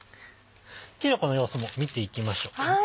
きのこの様子も見ていきましょう。